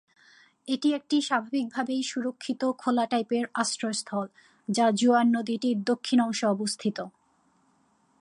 এটি একটি স্বাভাবিকভাবেই সুরক্ষিত খোলা টাইপের আশ্রয়স্থল, যা জুয়ার নদীটির দক্ষিণ অংশে অবস্থিত।